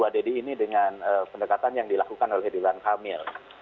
dedy ini dengan pendekatan yang dilakukan oleh ridwan kamil